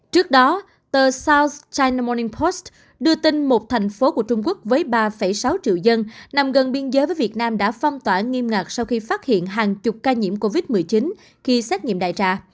trước đó tờ sout chining post đưa tin một thành phố của trung quốc với ba sáu triệu dân nằm gần biên giới với việt nam đã phong tỏa nghiêm ngặt sau khi phát hiện hàng chục ca nhiễm covid một mươi chín khi xét nghiệm đại trà